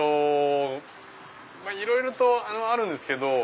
いろいろとあるんですけど。